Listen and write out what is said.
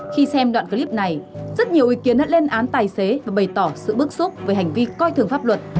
khi xem đoạn clip này rất nhiều ý kiến đã lên án tài xế và bày tỏ sự bức xúc về hành vi coi thường pháp luật